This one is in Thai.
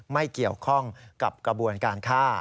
ไม่เกี่ยวข้องกับกระบวนการฆ่า